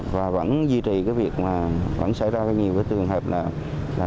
và vẫn duy trì cái việc là vẫn xảy ra nhiều cái trường hợp là